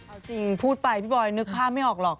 เอาจริงพูดไปพี่บอยนึกภาพไม่ออกหรอก